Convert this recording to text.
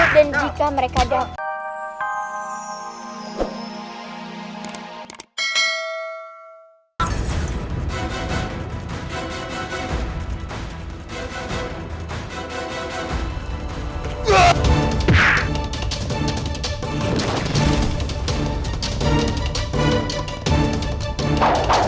dan jika mereka datang